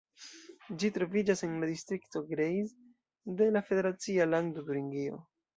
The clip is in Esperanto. Ĝi troviĝas en la distrikto Greiz de la federacia lando Turingio.